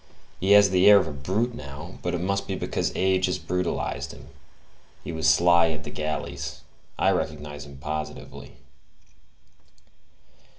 He has the air of a brute now; but it must be because age has brutalized him; he was sly at the galleys: I recognize him positively."